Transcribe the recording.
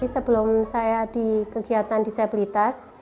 sebelum saya di kegiatan disabilitas